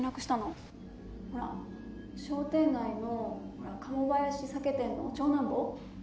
ほら商店街の鴨林酒店の長男坊。